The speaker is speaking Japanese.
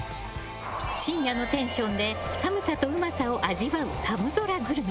深夜のテンションで寒さとうまさを味わう寒空グルメ。